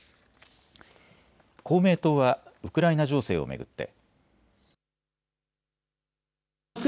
公明党はウクライナ情勢を巡って。